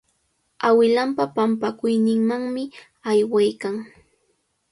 Awilanpa pampakuyninmanmi aywaykan.